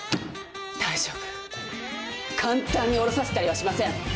大丈夫簡単に降ろさせたりはしません！